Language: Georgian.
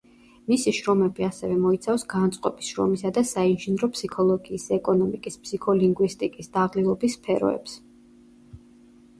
მისი შრომები ასევე მოიცავს განწყობის, შრომისა და საინჟინრო ფსიქოლოგიის, ეკონომიკის, ფსიქოლინგვისტიკის, დაღლილობის სფეროებს.